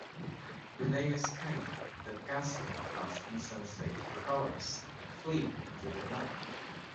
They escape the castle past insensate revelers and flee into the night.